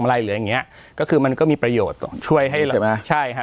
มาลัยหรืออย่างเงี้ยก็คือมันก็มีประโยชน์ช่วยให้ใช่ไหมใช่ค่ะ